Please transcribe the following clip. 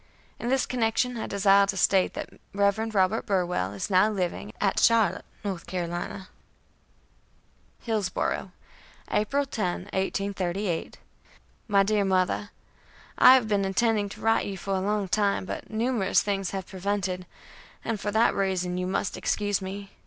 In this connection I desire to state that Rev. Robert Burwell is now living[A] at Charlotte, North Carolina: "HILLSBORO', April 10, 1838. "MY DEAR MOTHER: I have been intending to write to you for a long time, but numerous things have prevented, and for that reason you must excuse me.